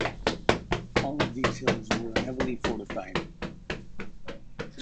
All of these hills were heavily fortified.